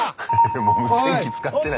もう無線機使ってない。